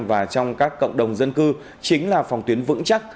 và trong các cộng đồng dân cư chính là phòng tuyến vững chắc